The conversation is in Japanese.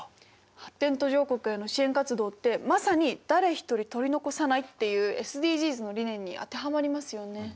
発展途上国への支援活動ってまさに誰一人取り残さないっていうＳＤＧｓの理念に当てはまりますよね。